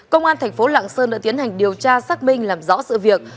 công an tp lạng sơn đã tiến hành điều tra xác minh làm rõ sự việc